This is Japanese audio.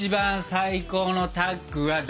最高のタッグは誰？